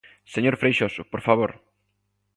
Señor Freixoso, ¡por favor!